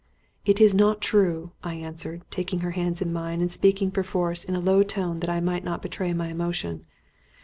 "It is not true," I answered, taking her hands in mine and speaking perforce in a low tone that I might not betray my emotion.